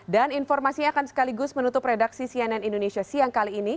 dan informasinya akan sekaligus menutup redaksi cnn indonesia siang kali ini